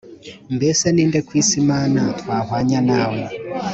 mbese ni inde ku isi mana twahwanya nawe